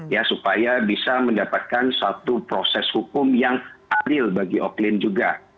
ya supaya bisa mendapatkan satu proses hukum yang adil bagi oklin juga